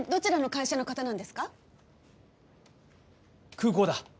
空港だ。